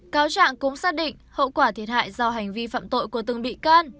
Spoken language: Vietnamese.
cáo trạng cũng xác định hậu quả thiệt hại do hành vi phạm tội của từng bị can